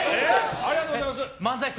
ありがとうございます。